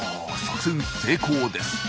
作戦成功です。